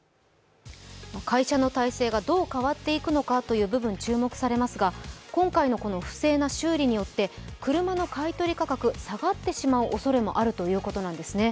会社の体制がどう変わっていくのかという部分、注目されますが今回のこの不正な修理によって車の買い取り価格が下がってしまうおそれもあるということなんですね。